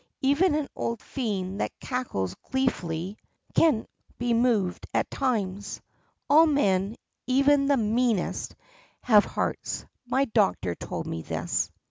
Even an old fiend that cackles gleefully 8 THE PUSSYCAT PRINCESS can be moved at times. All men, even the meanest, have hearts. My doctor told me this.